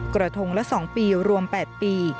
กระทงละ๒ปีรวม๘ปี